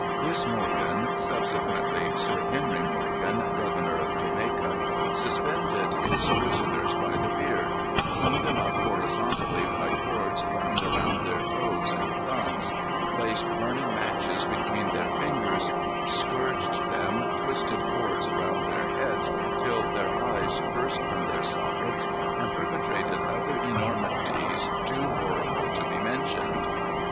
This Morgan, subsequently Sir Henry Morgan, governor of Jamaica, suspended his prisoners by the beard; hung them up horizontally by cords bound around their toes and thumbs; placed burning matches between their fingers; scourged them; twisted cords around their heads till their eyes burst from their sockets, and perpetrated other enormities too horrible to be mentioned.